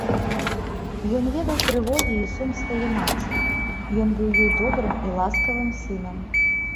Ён ведаў трывогі і сум свае маці, ён быў ёй добрым і ласкавым сынам.